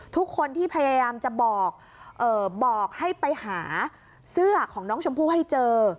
ทุกคนที่พยายามจะบอกให้ไปหาเสื้อของน้องชมพู่ให้เจอ